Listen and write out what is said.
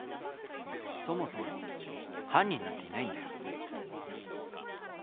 そもそも犯人なんていないんだよ。